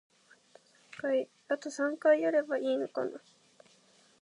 An American version of the show is made for Fox.